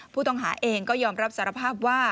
ผู้ต้องหาเองก็ยอมรับสารภาพว่า